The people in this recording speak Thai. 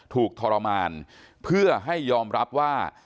ทรมานเพื่อให้ยอมรับว่า